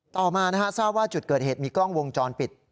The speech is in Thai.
ต่อมาทราบว่าจุดเกิดเหตุมีกล้องวงจรปิด